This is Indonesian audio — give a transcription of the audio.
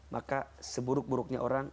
maka seburuk buruknya orang